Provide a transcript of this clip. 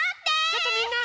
ちょっとみんな！